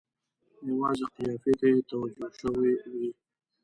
یوازې قافیې ته یې توجه شوې وي.